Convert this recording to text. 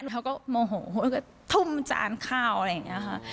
เขาก็โมโหก็ทุ่มจานข้าวอะไรอย่างนี้ค่ะ